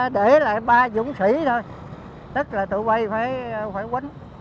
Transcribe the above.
để lại ba dũng sĩ thôi tức là tụi bay phải quýnh